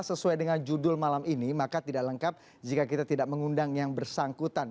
sesuai dengan judul malam ini maka tidak lengkap jika kita tidak mengundang yang bersangkutan